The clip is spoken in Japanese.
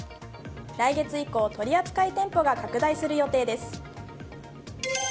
来月以降取扱店舗が拡大する予定です。